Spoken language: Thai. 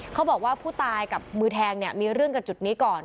เขาบอกว่าผู้ตายกับมือแทงเนี่ยมีเรื่องกับจุดนี้ก่อน